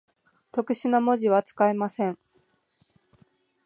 特殊な文字は、使えません。